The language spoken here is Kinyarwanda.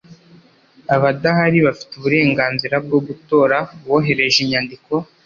Abadahari bafite uburenganzira bwo gutora bohereje inyandiko